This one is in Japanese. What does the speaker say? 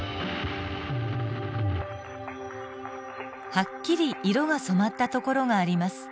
はっきり色が染まったところがあります。